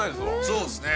そうですね